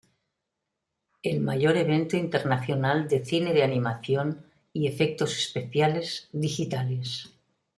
El mayor evento internacional de Cine de Animación y Efectos Especiales Digitales